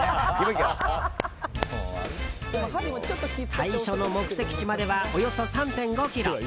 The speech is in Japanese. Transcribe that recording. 最初の目的地まではおよそ３．５ｋｍ。